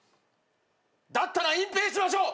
だったら隠蔽しましょう。